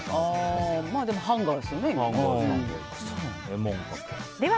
でも、ハンガーですよね今は。